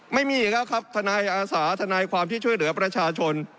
ไม่มีอีกแล้วครับทนายอาสาทนายความที่ช่วยเหลือประชาชน